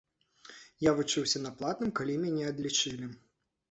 Я вучыўся на платным, калі мяне адлічылі.